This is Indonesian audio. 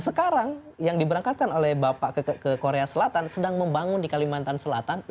sekarang yang diberangkatkan oleh bapak ke korea selatan sedang membangun di kalimantan selatan